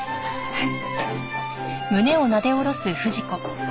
はい。